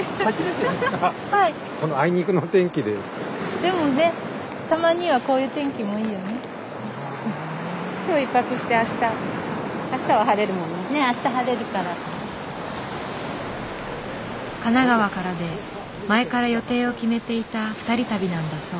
でもね神奈川からで前から予定を決めていた２人旅なんだそう。